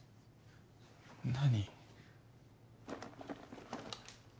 何？